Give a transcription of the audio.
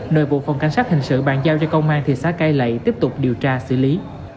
nội bộ phòng cảnh sát hình sự bàn giao cho công an thị xã cai lệ tiếp tục điều tra xử lý